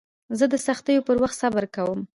زه د سختیو پر وخت صبر کوم.